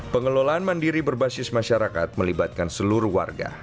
pengelolaan mandiri berbasis masyarakat melibatkan seluruh warga